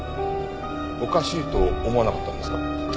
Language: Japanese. おかしいと思わなかったんですか？